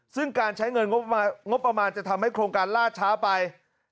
ซึ่งการใช้เงินงบประมาณจะทำให้โครงการล่าช้าไป